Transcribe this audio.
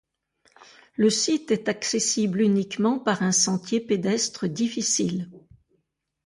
Le site est accessible uniquement par un sentier pédestre difficile.